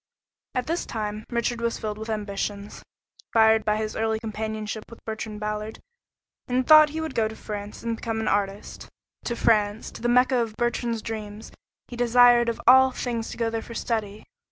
At this time Richard was filled with ambitions, fired by his early companionship with Bertrand Ballard, and thought he would go to France and become an artist; to France, the Mecca of Bertrand's dreams he desired of all things to go there for study.